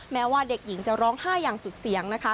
แม้ว่าเด็กหญิงจะร้องไห้อย่างสุดเสียงนะคะ